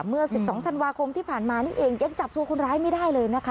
เมื่อ๑๒ธันวาคมที่ผ่านมานี่เองยังจับตัวคนร้ายไม่ได้เลยนะคะ